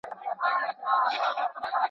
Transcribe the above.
دا ګل تر هغه بل ګل ډېر خوشبويه دی.